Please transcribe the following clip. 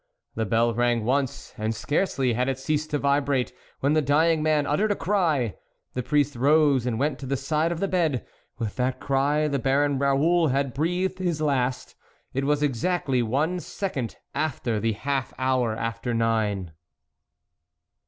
The bell rang once, and scarcely had it ceased to vibrate when the dying man uttered a cry. The priest rose and went to the side of the bed ; with that cry the Baron Raoul had breathed his last : it was exactly one second after the half hour after nine.